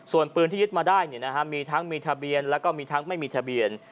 ส่วนปืนที่ยึดมาได้มีทั้งมีทะเบียนและไม่มีทะเบียน